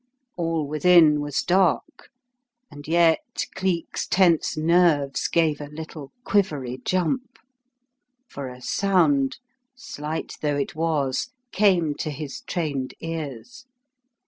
All within was dark, and yet Cleek's tense nerves gave a little quivery jump. For a sound, slight though it was, came to his trained ears.